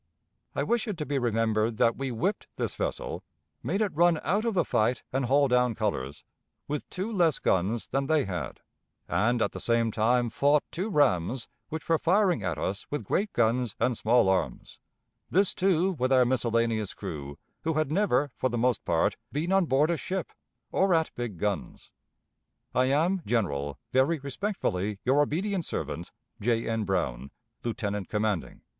"I wish it to be remembered that we whipped this vessel, made it run out of the fight and haul down colors, with two less guns than they had; and at the same time fought two rams, which were firing at us with great guns and small arms; this, too, with our miscellaneous crew, who had never, for the most part, been on board a ship, or at big guns. "I am, General, very respectfully, your obedient servant, "J. N. BROWN, "_Lieutenant commanding.